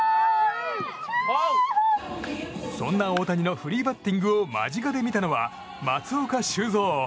そんな大谷のフリーバッティングを間近で見たのは松岡修造。